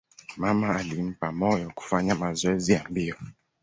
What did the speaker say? Mama alimpa moyo kufanya mazoezi ya mbio.